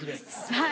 はい。